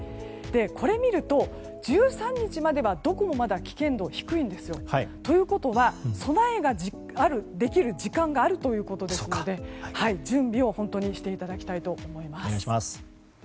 これを見ると１３日まではどこも危険度が低いんですよ。ということは、備えができる時間があるということなので準備をしていただきたいと思います。